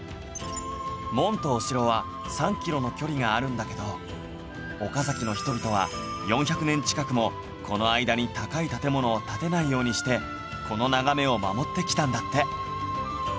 門とお城は３キロの距離があるんだけど岡崎の人々は４００年近くもこの間に高い建物を建てないようにしてこの眺めを守ってきたんだって